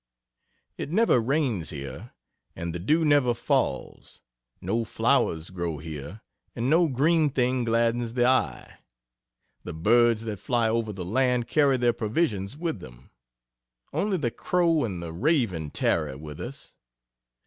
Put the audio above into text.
It never rains here, and the dew never falls. No flowers grow here, and no green thing gladdens the eye. The birds that fly over the land carry their provisions with them. Only the crow and the raven tarry with us.